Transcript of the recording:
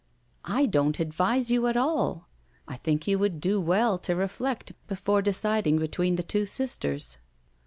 "I don't advise you at all. I think you would do well to reflect before deciding between the two sisters."